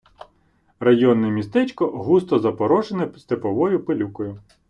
Районне містечко густо запорошене степовою пилюкою.